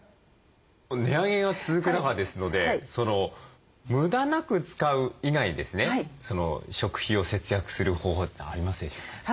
値上げが続く中ですので無駄なく使う以外にですね食費を節約する方法ってありますでしょうか？